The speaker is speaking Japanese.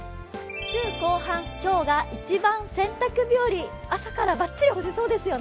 週後半、今日が一番洗濯日和。朝からバッチリ干せそうですよね。